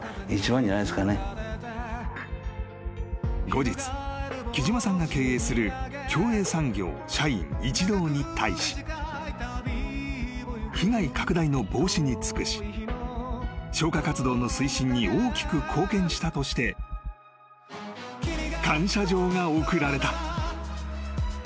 ［後日木島さんが経営する協栄産業社員一同に対し被害拡大の防止に尽くし消火活動の推進に大きく貢献したとして感謝状が送られた］